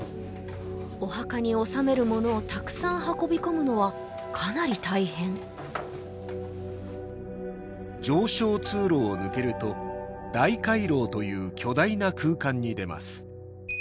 お墓に納めるものをたくさん運び込むのはかなり大変上昇通路を抜けると大回廊という巨大な空間に出ます